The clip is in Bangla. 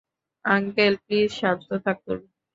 আঙ্কেল, প্লিজ শান্ত থাকুন।